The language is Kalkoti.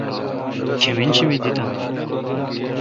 کمِن شی مے دہتہ؟